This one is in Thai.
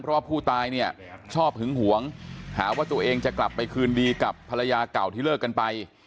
เพราะว่าผู้ตายเนี่ยชอบหึงหวงหาว่าตัวเองจะกลับไปคืนดีกับภรรยาเก่าที่เลิกกันไป